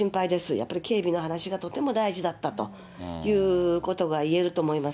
やっぱり警備の話はとても大事だったということが言えると思いま